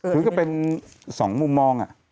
คือเป็น๒มุมมอง